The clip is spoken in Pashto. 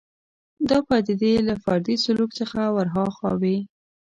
دا پدیدې له فردي سلوک څخه ورهاخوا وي